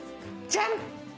ジャン！